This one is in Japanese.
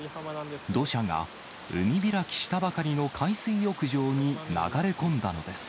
土砂が海開きしたばかりの海水浴場に流れ込んだのです。